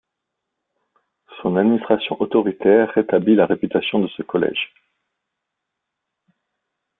Son administration autoritaire rétablit la réputation de ce collège.